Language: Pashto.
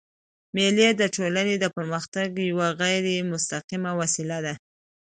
مېلې د ټولني د پرمختګ یوه غیري مستقیمه وسیله ده.